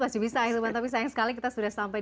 masih bisa tapi sayang sekali kita sudah sampai